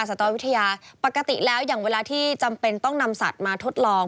สตวิทยาปกติแล้วอย่างเวลาที่จำเป็นต้องนำสัตว์มาทดลอง